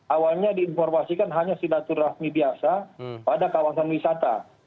awalnya diinformasikan hanya silaturahmi biasa pada kawasan wisata